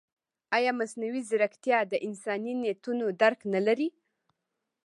ایا مصنوعي ځیرکتیا د انساني نیتونو درک نه لري؟